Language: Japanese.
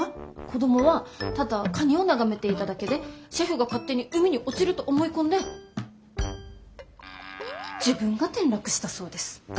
子供はただカニを眺めていただけでシェフが勝手に海に落ちると思い込んで自分が転落したそうです。